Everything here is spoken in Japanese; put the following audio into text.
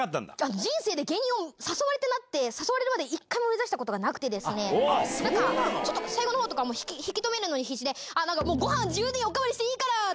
人生で芸人を誘われたなって、誘われるまで、一回も目指したことがなくてですね、ちょっと最後のほうとかも引き留めるのに必死で、なんかもうごはん、自由にお代わりしていいからと。